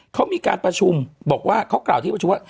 เขามีการประชุมบอกว่าเขากล่าวที่ประชุมว่า